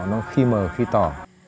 nó khi mờ khi tỏ